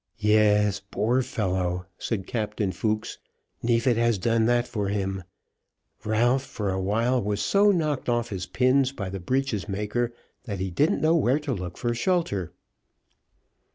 "Yes, poor fellow," said Captain Fooks. "Neefit has done that for him. Ralph for a while was so knocked off his pins by the breeches maker, that he didn't know where to look for shelter."